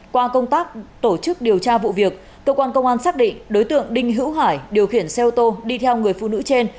qua công tác tổ chức điều tra vụ việc cơ quan công an xác định đối tượng đinh hữu hải điều khiển xe ô tô đi theo người phụ nữ trên